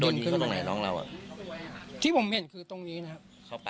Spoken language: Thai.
โดนยิงเขาตรงไหนที่ผมเห็นคือตรงนี้นะครับ